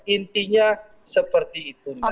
intinya seperti itu nana